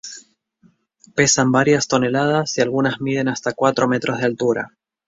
Pesan varias toneladas y algunas miden hasta cuatro metros de altura.